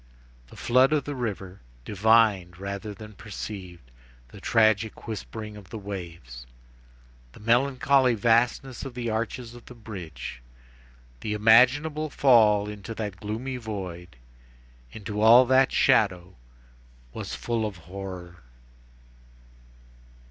The flood in the river, divined rather than perceived, the tragic whispering of the waves, the melancholy vastness of the arches of the bridge, the imaginable fall into that gloomy void, into all that shadow was full of horror.